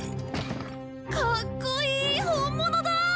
かっこいい本物だ！